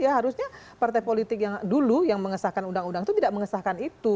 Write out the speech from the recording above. ya harusnya partai politik yang dulu yang mengesahkan undang undang itu tidak mengesahkan itu